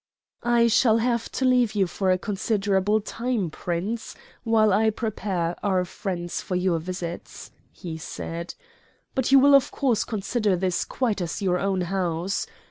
"I shall have to leave you for a considerable time, Prince, while I prepare our friends for your visits," he said; "but you will of course consider this quite as your own house.